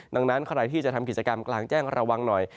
ดังนั้นใครที่จะทำกิจกรรมกลางแจ้งระวังหน่อย